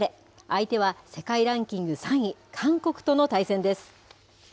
相手は、世界ランキング３位、韓国との対戦です。